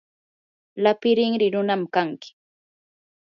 lapi rinri runam kanki.